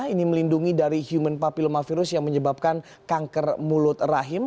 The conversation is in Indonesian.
ini melindungi dari human papilmavirus yang menyebabkan kanker mulut rahim